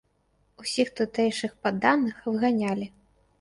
Усіх тутэйшых падданых выганялі.